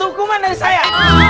hukuman dari saya